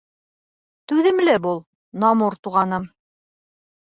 — Түҙемле бул, Намур туғаным.